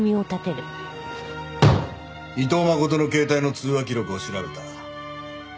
伊藤真琴の携帯の通話記録を調べた。